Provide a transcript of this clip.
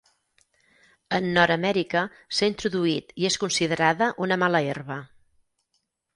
En Nord-amèrica s'ha introduït i és considerada una mala herba.